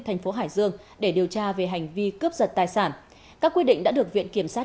thành phố hải dương để điều tra về hành vi cướp giật tài sản các quyết định đã được viện kiểm sát